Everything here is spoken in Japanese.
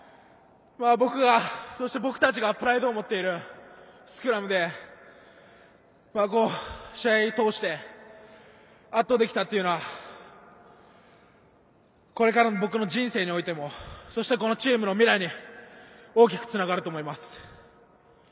僕が、僕たちがプライドを持っているスクラムで、試合通して圧倒できたというのはこれからの僕の人生においてもそしてこのチームの未来に大きくつながると思います。